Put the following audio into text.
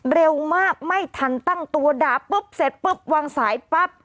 เร็วมากไม่ทันตั้งตัวด่าปุ๊บเสร็จปุ๊บวางสายปั๊บ